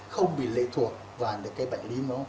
không bị lệ thuộc vào những cái bệnh lý nó